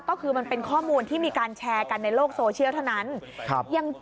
ก็คือมันเป็นข้อมูลที่มีการแชร์กันในโลกโซเชียลเท่านั้น